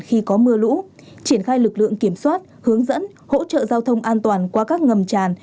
khi có mưa lũ triển khai lực lượng kiểm soát hướng dẫn hỗ trợ giao thông an toàn qua các ngầm tràn